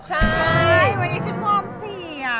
ใช่วันนี้ชื่นวอมเสียง